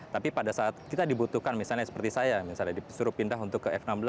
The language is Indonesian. tapi pada saat kita dibutuhkan misalnya seperti saya misalnya disuruh pindah untuk ke f enam belas